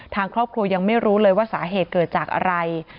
ทางครอบครัวยังไม่รู้เลยว่าสาเหตุเกิดจากอะไร